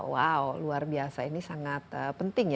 wow luar biasa ini sangat penting ya